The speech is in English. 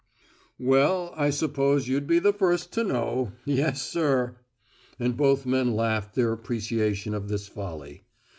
"Well, I suppose you'd be the first to know! Yes sir." And both men laughed their appreciation of this folly.